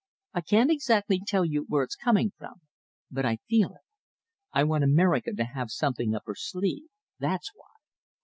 I can't exactly tell you where it's coming from, but I feel it. I want America to have something up her sleeve, that's why."